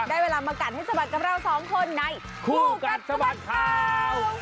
เวลามากัดให้สะบัดกับเราสองคนในคู่กัดสะบัดข่าว